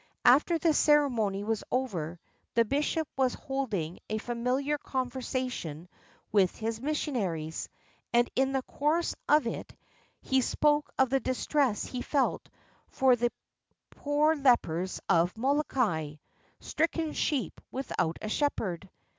After the cere mony was over, the bishop was holding a familiar conver sation with his missionaries, and in the course of it he spoke of the distress he felt for the poor lepers of Molokai — stricken sheep without a shepherd.